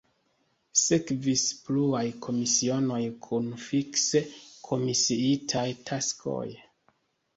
Sekvis pluaj komisionoj kun fikse komisiitaj taskoj.